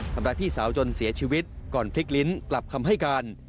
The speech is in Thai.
ทำร้ายพี่สาวจนเสียชีวิตก่อนพลิกลิ้นกลับคำให้การ